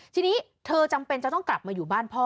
ทีนี้เธอจำเป็นจะต้องกลับมาอยู่บ้านพ่อ